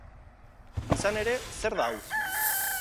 Izan ere, zer da hau?